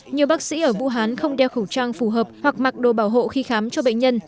nhiều bác sĩ ở vũ hán không đeo khẩu trang phù hợp hoặc mặc đồ bảo hộ khi khám cho bệnh nhân